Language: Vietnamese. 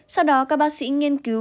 sau đó các bác sĩ nghiên cứu